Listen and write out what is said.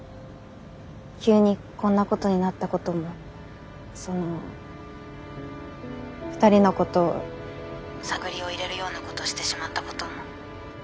急にこんなことになったこともその二人のことを探りを入れるようなことしてしまったことも。